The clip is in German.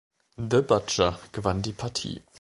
The Butcher gewann die Partie.